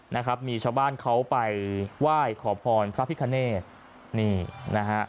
นะครับมีชาวบ้านเขาไปไหว้ขอพรพระพิคเนตนี่นะฮะ